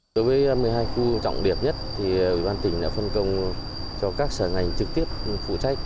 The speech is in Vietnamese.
đối với một mươi hai khu trọng điểm nhất thì ủy ban tỉnh đã phân công cho các sở ngành trực tiếp phụ trách